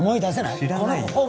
知らないよ